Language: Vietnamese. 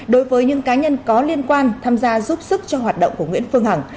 đối với những cá nhân có liên quan tham gia giúp sức cho hoạt động của nguyễn phương hằng